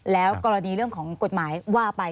แล้วกรณีเรื่องของกฎหมายว่าไป